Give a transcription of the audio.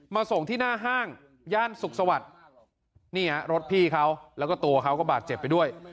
ส่งที่หน้าห้างย่านสุขสวัสดิ์นี่ฮะรถพี่เขาแล้วก็ตัวเขาก็บาดเจ็บไปด้วย